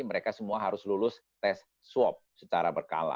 mereka semua harus lulus tes swab secara berkala